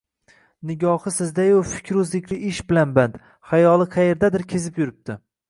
Nigohi sizda-yu, fikru zikri ish bilan band, xayoli qayerlardadir kezib yuribdi.